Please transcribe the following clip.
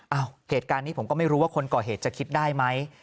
เหตุการณ์นี้ผมก็ไม่รู้ว่าคนก่อเหตุจะคิดได้ไหม